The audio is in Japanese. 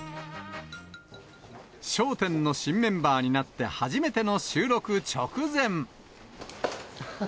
笑点の新メンバーになって初めての収録直前。